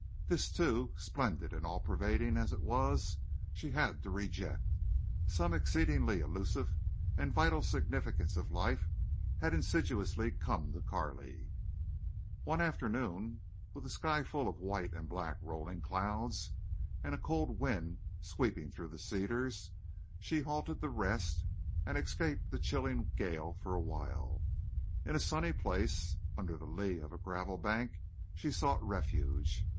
This, too, splendid and all pervading as it was, she had to reject. Some exceedingly illusive and vital significance of life had insidiously come to Carley. One afternoon, with the sky full of white and black rolling clouds and a cold wind sweeping through the cedars, she halted to rest and escape the chilling gale for a while. In a sunny place, under the lee of a gravel bank, she sought refuge.